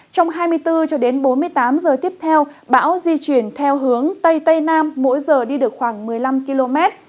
trong hai mươi bốn cho đến bốn mươi tám giờ tiếp theo bão di chuyển theo hướng tây tây nam mỗi giờ đi được khoảng một mươi năm km